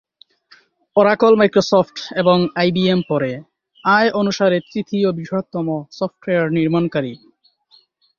Oracle Microsoft এবং IBM পরে, আয় অনুসারে তৃতীয় বৃহত্তম সফটওয়্যার নির্মাণকারী।